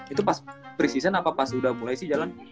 itu pas preseason apa pas udah mulai sih jalan